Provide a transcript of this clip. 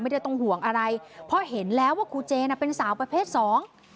ไม่ต้องห่วงอะไรเพราะเห็นแล้วว่าครูเจน่ะเป็นสาวประเภทสอง